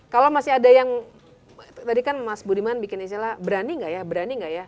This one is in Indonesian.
kalau masih ada yang tadi kan mas budiman bikin istilah berani nggak ya berani nggak ya